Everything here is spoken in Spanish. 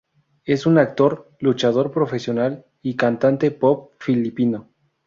Es un actor, luchador profesional y cantante pop filipino.